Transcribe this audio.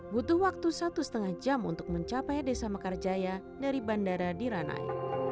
butuh waktu satu lima jam untuk mencapai desa mekarjaya dari bandara di ranai